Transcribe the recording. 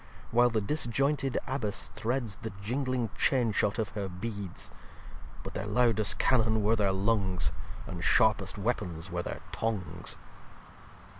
While the disjointed Abbess threads The gingling Chain shot of her Beads. But their lowd'st Cannon were their Lungs; And sharpest Weapons were their Tongues.